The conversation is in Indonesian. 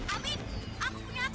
amin aku punya atal